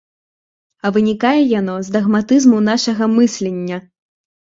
А вынікае яно з дагматызму нашага мыслення.